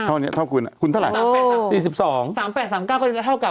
เท่านี้เท่าคุณคุณเท่าไหร่สามแปดสามสี่สิบสองสามแปดสามเก้าก็จะเท่ากับ